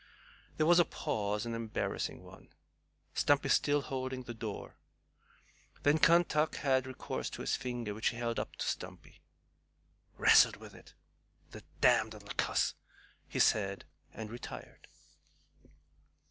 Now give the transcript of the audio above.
There was a pause an embarrassing one Stumpy still holding the door. Then Kentuck had recourse to his finger, which he held up to Stumpy. "Rastled with it, the damned little cuss," he said, and retired.